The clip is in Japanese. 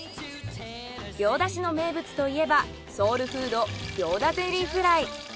行田市の名物といえばソウルフード行田ゼリーフライ。